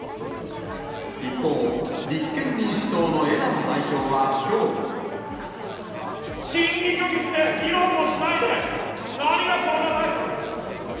一方、立憲民主党の枝野代表はきょう。審議拒否して議論もしないで、何がコロナ対策だ。